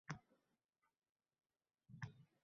Ana shunda dehqon o‘zini baxtiyor deb hisoblaydi.